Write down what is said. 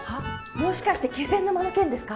もしかして気仙沼の件ですか？